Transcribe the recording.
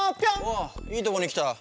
ああいいとこにきた。